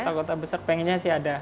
kota kota besar pengennya sih ada